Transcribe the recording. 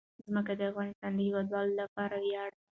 ځمکه د افغانستان د هیوادوالو لپاره ویاړ دی.